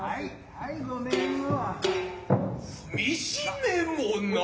はいごめんよ。